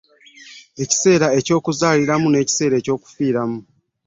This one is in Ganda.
Ekiseera eky'okuzaalirwamu, n'ekiseera eky'okufiiramu